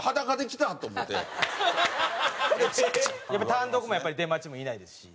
単独もやっぱり出待ちもいないですし。